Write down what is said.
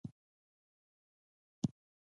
آیا د مچالغو بند جوړ شو؟